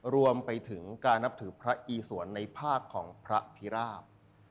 รวมไปถึงการนับถือพระอีสวนในภาคของพระพิราบ